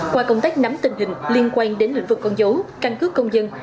qua công tác nắm tình hình liên quan đến lĩnh vực con dấu căn cứ công dân